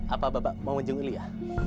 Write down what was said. apa bapak mau ngunjungi lia